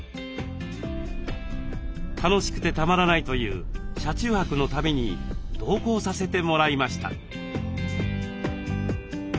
楽しくてたまらないという車中泊の旅に同行させてもらいました。